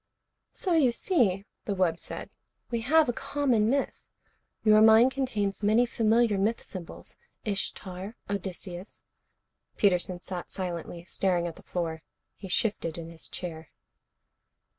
"So you see," the wub said, "we have a common myth. Your mind contains many familiar myth symbols. Ishtar, Odysseus " Peterson sat silently, staring at the floor. He shifted in his chair.